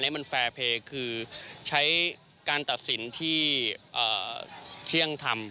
มันแฟร์เพย์คือใช้การตัดสินที่เที่ยงทำ